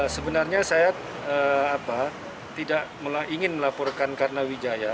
sebenarnya saya tidak ingin melaporkan karena wijaya